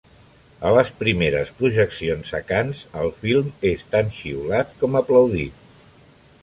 En les primeres projeccions a Canes, el film és tant xiulat com aplaudit.